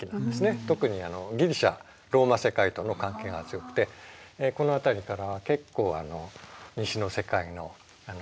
特にギリシアローマ世界との関係が強くてこの辺りからは結構西の世界の金貨とかも出てくるんですね。